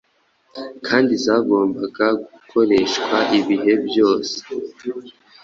kandi zagombaga gukoreshwa ibihe byose,